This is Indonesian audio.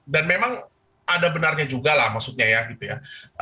dan memang ada benarnya juga lah maksudnya ya gitu ya